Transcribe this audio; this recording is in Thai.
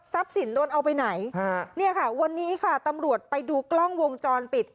สินโดนเอาไปไหนฮะเนี่ยค่ะวันนี้ค่ะตำรวจไปดูกล้องวงจรปิด